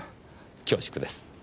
恐縮です。